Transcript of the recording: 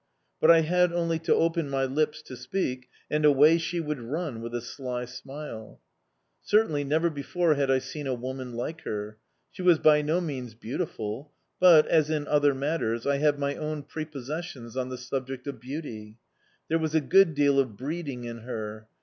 But I had only to open my lips to speak, and away she would run, with a sly smile. Certainly never before had I seen a woman like her. She was by no means beautiful; but, as in other matters, I have my own prepossessions on the subject of beauty. There was a good deal of breeding in her...